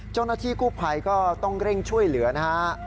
เจ้าหน้าที่กู้ภัยก็ต้องเร่งช่วยเหลือนะฮะ